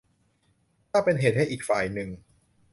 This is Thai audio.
ถ้าเป็นเหตุให้อีกฝ่ายหนึ่ง